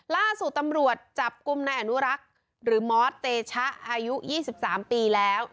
ล่าสู่ตำรวจจับกุมแน่นุรักษ์หรือมเตชะอายุ๒๓ปีแล้ว